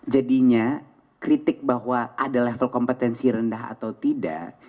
jadinya kritik bahwa ada level kompetensi rendah atau tidak